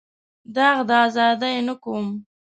داغ د ازادۍ نه کوم.